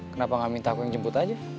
kenapa gak minta aku yang jemput aja